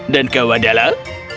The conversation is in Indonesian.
dan kau adalah